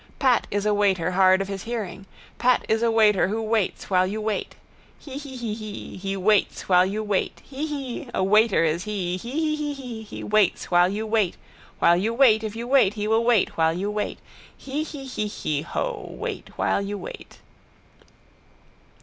Pat is a waiter hard of his hearing. Pat is a waiter who waits while you wait. Hee hee hee hee. He waits while you wait. Hee hee. A waiter is he. Hee hee hee hee. He waits while you wait. While you wait if you wait he will wait while you wait. Hee hee hee hee. Hoh. Wait while you wait.